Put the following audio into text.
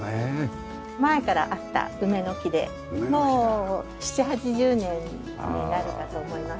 前からあった梅の木でもう７０８０年になるかと思います。